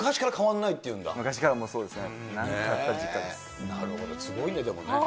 なるほど、すごいね、でも。